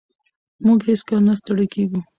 موږ هېڅکله نه ستړي کېږو.